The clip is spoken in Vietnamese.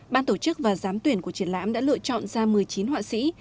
ban tổ chức và giám tuyển của triển lãm đã lựa chọn ra một mươi chín họa sĩ